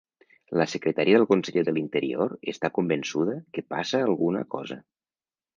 La secretària del conseller de l'Interior està convençuda que passa alguna cosa.